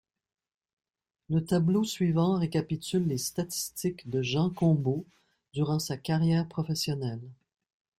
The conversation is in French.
Le tableau suivant récapitule les statistiques de Jean Combot durant sa carrière professionnelle.